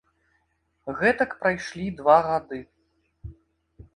Гэтак прайшлі два гады.